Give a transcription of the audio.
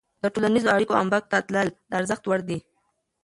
د ټولنیزو اړیکو عمیق ته تلل د ارزښت وړ دي.